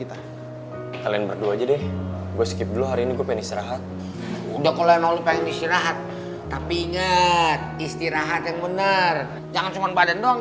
kita kalian berdua aja deh gue skip dulu hari ini gue pengen istirahat udah kalau yang nolih pengen istirahat tapi inget istirahat yang bener jangan cuman badan doang